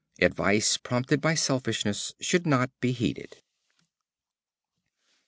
Advice prompted by selfishness should not be heeded.